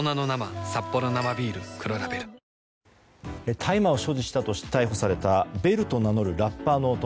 大麻を所持したとして逮捕されたベルと名乗るラッパーの男。